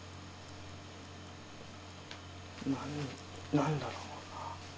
何だろうな。